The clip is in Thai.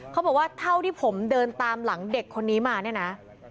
เขาบอกว่าเท่าที่ผมเดินตามหลังเด็กคนนี้มาเนี่ยนะ